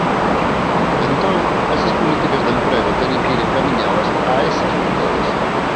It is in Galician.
Entón, esas políticas de emprego teñen que ir encamiñadas a esas mulleres.